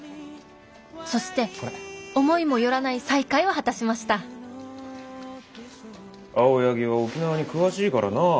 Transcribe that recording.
そして思いも寄らない再会を果たしました青柳は沖縄に詳しいからなあ。